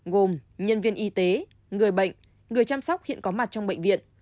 gồm nhân viên y tế người bệnh người chăm sóc hiện có mặt trong bệnh viện